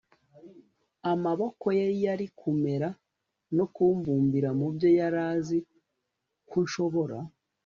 amaboko ye yari kumera no kumbumbira mubyo yari azi ko nshobora